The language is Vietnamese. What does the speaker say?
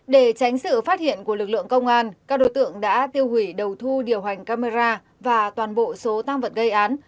để tránh sự phát hiện của lực lượng công an các đối tượng đã tiêu hủy đầu thu điều hành camera và toàn bộ số tăng vật gây án